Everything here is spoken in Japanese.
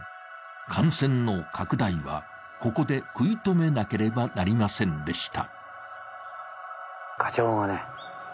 感染の拡大は、ここで食い止めなければなりませんでした。